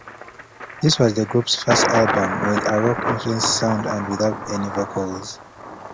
This was the group's first album with a rock-influenced sound and without any vocals.